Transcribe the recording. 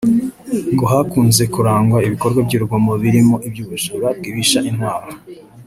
ngo hakunze kurangwa ibikorwa by’urugomo birimo iby’ubujura bwibisha intwaro